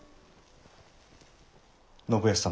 ・信康様